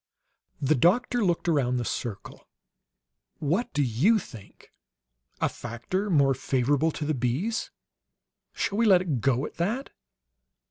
The doctor looked around the circle. "What do you think? 'A factor more favorable to the bees.' Shall we let it go at that?"